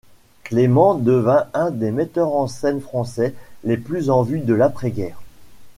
Clément devint un des metteurs en scène français les plus en vue de l’après-guerre.